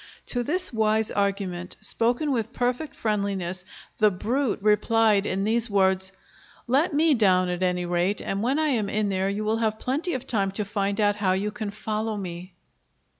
To this wise argument, spoken with perfect friendliness, the brute replied in these words: "Let me down, at any rate, and when I am in there you will have plenty of time to find out how you can follow me."